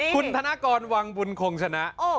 คุณธนกรวังบุญคงชนะ